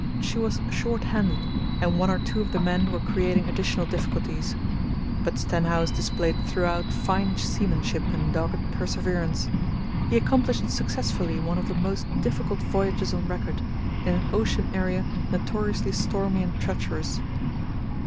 She was short handed, and one or two of the men were creating additional difficulties. But Stenhouse displayed throughout fine seamanship and dogged perseverance. He accomplished successfully one of the most difficult voyages on record, in an ocean area notoriously stormy and treacherous.